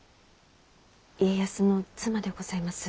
家康の妻でございます。